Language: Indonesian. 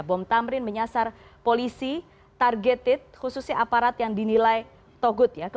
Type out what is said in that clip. bom tamrin menyasar polisi targeted khususnya aparat yang dinilai togut ya